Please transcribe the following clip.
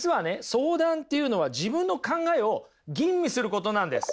相談っていうのは自分の考えを吟味することなんです。